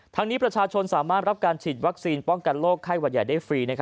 นี้ประชาชนสามารถรับการฉีดวัคซีนป้องกันโรคไข้หวัดใหญ่ได้ฟรี